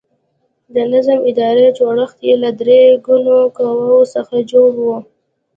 د نظام اداري جوړښت یې له درې ګونو قواوو څخه جوړ و.